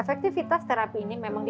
efektivitas terapi ini memang sangat tinggi